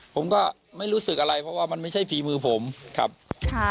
ผมก็ไม่รู้สึกอะไรเพราะว่ามันไม่ใช่ฝีมือผมครับค่ะ